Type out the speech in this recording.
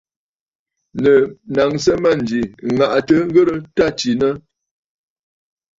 Nɨ̀ naŋsə mânjì M̀màꞌàmb ŋ̀ghɨrə t à tsinə!.